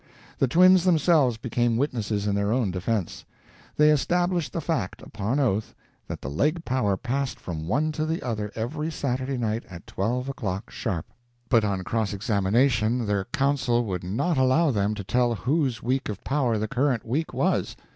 The twins themselves became witnesses in their own defense. They established the fact, upon oath, that the leg power passed from one to the other every Saturday night at twelve o'clock sharp. But on cross examination their counsel would not allow them to tell whose week of power the current week was.